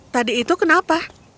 tadi itu kenapa